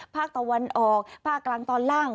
ภาคตะวันออกภาคกลางตอนล่าง